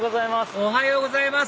おはようございます！